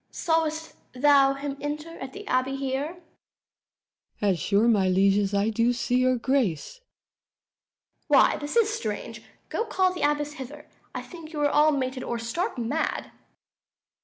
Duke. Saw'st thou him enter at the abbey here? Cour. As sure, my liege, as I do see your Grace. Duke. Why, this is strange. Go call the abbess hither. 280 I think you are all mated, or stark mad.